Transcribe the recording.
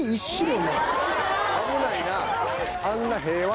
危ないな。